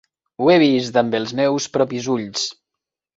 Ho he vist amb els meus propis ulls.